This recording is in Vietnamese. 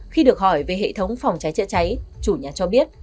khi được hỏi về hệ thống phòng cháy chữa cháy chủ nhà cho biết